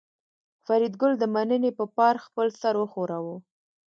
فریدګل د مننې په پار خپل سر وښوراوه